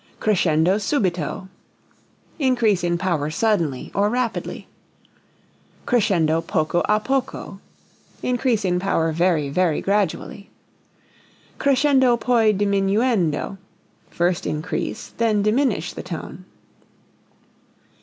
Crescendo subito increase in power suddenly (or rapidly). Crescendo poco a poco increase in power very, very gradually. Crescendo poi diminuendo first increase, then diminish the tone.